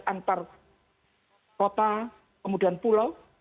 antar kota kemudian pulau